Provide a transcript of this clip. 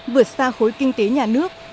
vượt xa khối kinh tế nhà nước